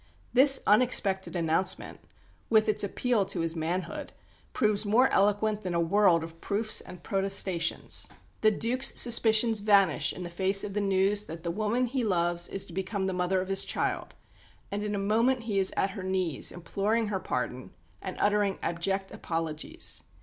This unexpected announcement, with its appeal to his manhood, proves more eloquent than a world of proofs and protestations. The Duke's suspicions vanish in face of the news that the woman he loves is to become the mother of his child, and in a moment he is at her knees imploring her pardon, and uttering abject apologies.